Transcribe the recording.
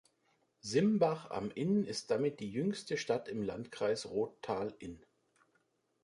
Simbach am Inn ist damit die jüngste Stadt im Landkreis Rottal-Inn.